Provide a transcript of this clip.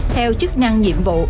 theo chức năng nhiệm vụ